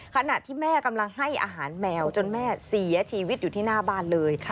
ขณะที่แม่กำลังให้อาหารแมวจนแม่เสียชีวิตอยู่ที่หน้าบ้านเลย